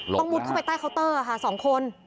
ต้องมุดเข้าไปใต้เคาน์เตอร์ค่ะสองคน